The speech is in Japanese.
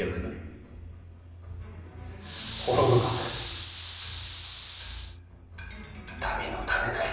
滅ぶが民のためなり。